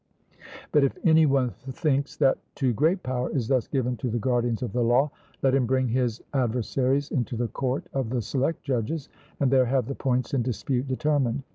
But if any one thinks that too great power is thus given to the guardians of the law, let him bring his adversaries into the court of the select judges, and there have the points in dispute determined.